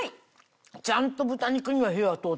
ちゃんと豚肉には火が通ってる。